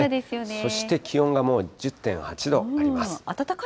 そして気温が１０．８度あります。